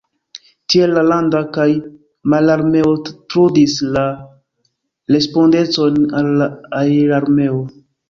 Tiel la landa kaj mararmeo trudis la respondecon al la aerarmeo.